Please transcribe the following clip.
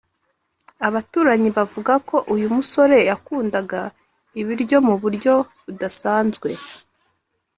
Abaturanyi bavuga ko uyu musore yakundaga ibiryo mu buryo budasanzwe